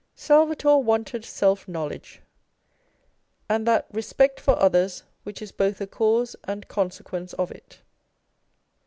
Salvator wanted self knowledge, and that respect for others which is both a cause and consequence of it.